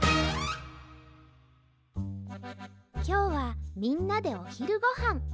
きょうはみんなでおひるごはん。